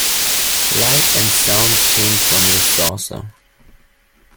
Light and sound came from the saucer.